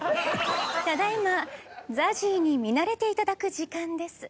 ただ今ＺＡＺＹに見慣れて頂く時間です。